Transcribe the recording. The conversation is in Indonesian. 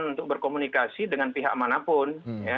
untuk berkomunikasi dengan pihak manapun